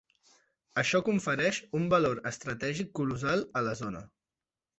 Això confereix un valor estratègic colossal a la zona.